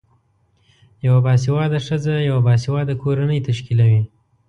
یوه باسیواده خځه یوه باسیواده کورنۍ تشکلوی